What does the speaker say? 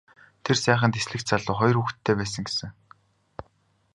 Тэр сайхан дэслэгч залуу хоёр хүүхэдтэй байсан гэсэн.